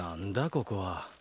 ここは。